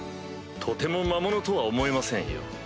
とても魔物とは思えませんよ。